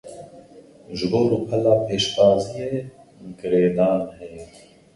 Ji bo rûpela pêşbaziyê girêdan heye.